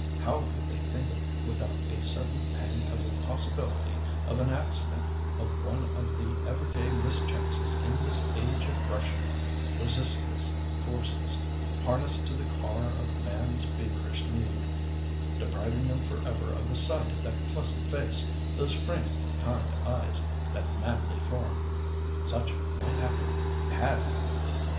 How could they think without a sudden pang of the possibility of an accident—of one of the everyday mischances in this age of rushing, resistless forces harnessed to the car of man's feverish need—depriving them for ever of the sight of that pleasant face, those frank, kind eyes, that manly form! Such might happen—had happened.